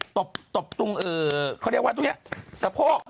ตบตรงเขาเรียกว่าตรงนี้สะโพก